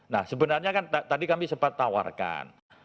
nah sebenarnya kan tadi kami sempat tawarkan